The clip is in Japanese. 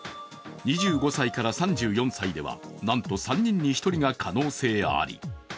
２５歳から３４歳ではなんと３人に１人に可能性あり。